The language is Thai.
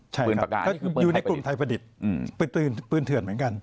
ใช่ปืนอยู่ในกลุ่มไทยประดิษฐ์ปืนเถื่อนเหมือนกัน